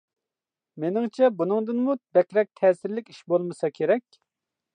مېنىڭچە بۇنىڭدىنمۇ بەكرەك تەسىرلىك ئىش بولمىسا كېرەك.